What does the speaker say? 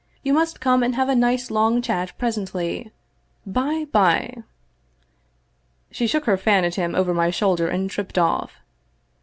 You must come and have a nice long chat presently. By by —!" She shook her fan at him over my shoulder and tripped off.